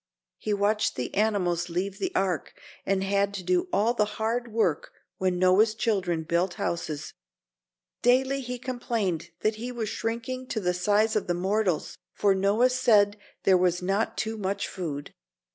He watched the animals leave the Ark and had to do all the hard work when Noah's children built houses. Daily he complained that he was shrinking to the size of the mortals, for Noah said there was not too much food.